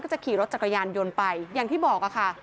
จะขี่รถจักรยานยนต์ไปอย่างที่บอกค่ะ